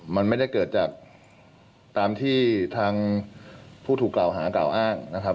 มันไม่ได้เกิดจากตามที่ทางผู้ถูกกล่าวหากล่าวอ้างนะครับ